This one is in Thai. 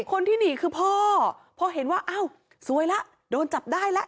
คนที่หนีคือพ่อเพราะเห็นว่าเอ้าซวยละโดนจับได้และ